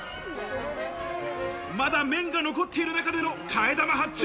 まだ麺が残っている中での替玉発注。